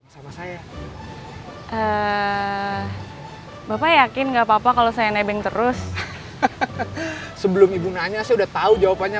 sampai jumpa di video selanjutnya